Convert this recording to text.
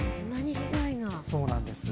そうなんです。